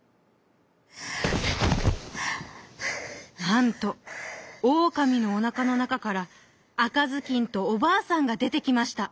なんとオオカミのおなかのなかからあかずきんとおばあさんがでてきました。